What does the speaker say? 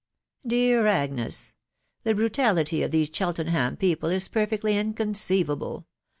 " Dear Agnes, " The brutality of these Cheltenham people is perfectly in conceivable.